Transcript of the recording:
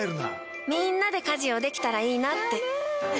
みんなで家事をできたらいいなって。